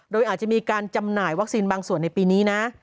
โดยอาจจะมีการจำหน่ายวัคซีนบางส่วนในปีนี้นะ